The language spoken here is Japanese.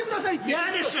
嫌でしゅ。